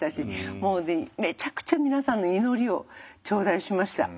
もうめちゃくちゃ皆さんの祈りを頂戴しました。